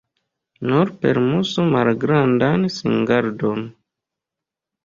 Nur permesu malgrandan singardon.